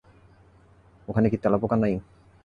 ওখানে কি তেলাপোকা নাই?